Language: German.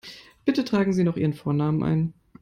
Bitte tragen Sie noch Ihren Vornamen ein.